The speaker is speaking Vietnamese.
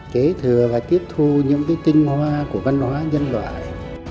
kế thừa và tiếp thu những cái tinh hoa của văn hóa nhân loại